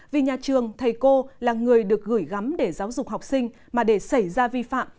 vì nhà trường thầy cô là người được gửi gắm để giáo dục học sinh mà để xảy ra vi phạm